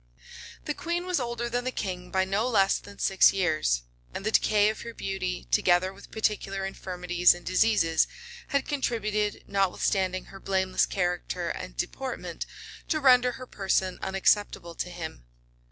The queen was older than the king by no less than six years; and the decay of her beauty, together with particular infirmities and diseases, had contributed, notwithstanding her blameless character and deportment, to render her person unacceptable to him.